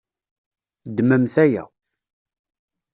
Ddmemt aya.